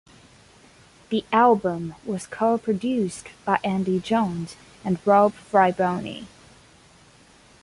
The album was co-produced by Andy Johns and Rob Fraboni.